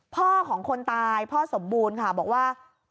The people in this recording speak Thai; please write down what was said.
พ่อของคนตายพ่อสมบูรณ์ค่ะบอกว่า